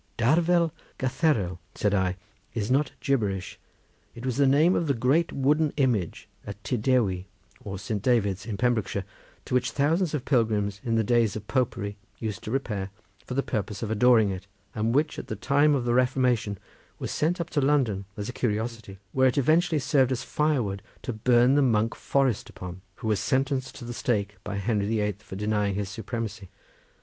"Darfel Gatherel," said I, "is not gibberish; it was the name of the great wooden image at Ty Dewi, or Saint David's, in Pembrokeshire, to which thousands of pilgrims in the days of popery used to repair for the purpose of adoring it, and which at the time of the Reformation was sent up to London as a curiosity, where it eventually served as firewood to burn the monk Forrest upon, who was sentenced to the stake by Henry the Eighth for denying his supremacy.